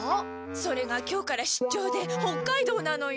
それが今日から出張で北海道なのよ。